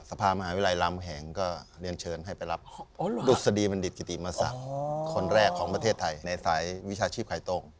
สภามหาวิทยาลัยรามแห่งก็เรียนเชิญให้ไปรับดุษฎีบัณฑิตกิติมศักดิ์คนแรกของประเทศไทยในสายวิชาชีพไข่ต้ม